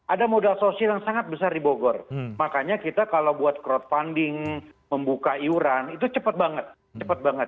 ada modal sosial yang sangat besar di bogor makanya kita kalau buat crowdfunding membuka iuran itu cepat banget cepat banget